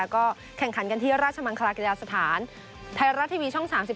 ก็แข่งขันกันที่ราชมังคลากีฬาสถานไทยรัฐทีวีช่อง๓๒